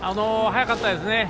速かったですね。